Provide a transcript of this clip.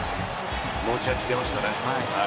持ち味出ましたね。